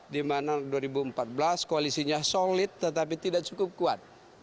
di mana tahun dua ribu empat belas koalisinya solid tetapi tidak cukup kuat